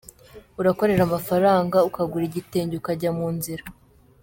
Urakorera amafaranga ukagura igitenge ukajya mu nzira.